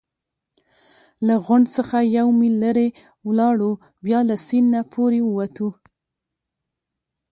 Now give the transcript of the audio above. له غونډ څخه یو میل لرې ولاړو، بیا له سیند نه پورې ووتو.